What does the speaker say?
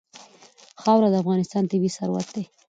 خاوره د افغانستان طبعي ثروت دی.